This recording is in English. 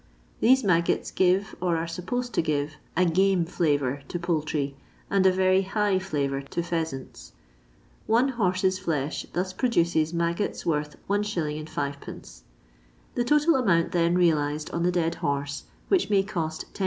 These maggots give, or are supposed to give, a "game flavour" to poultry, and a very *' hi^h " flavour to pheasants. One horse*s flesh thus produces maggots worth Is. 6d. The total amount, then, realised on the dead horse, which may cost 10s.